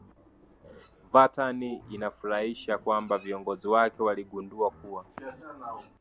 Vatan Inafurahisha kwamba viongozi wake waligundua kuwa